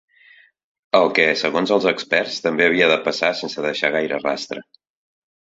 El que, segons els experts, també havia de passar sense deixar gaire rastre.